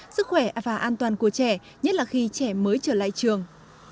sức khỏe và an toàn của trẻ nhất là khi trẻ mới trở lại trường